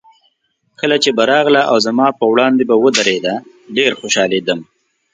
کله چې به راغله او زما په وړاندې به ودرېده، ډېر خوشحالېدم.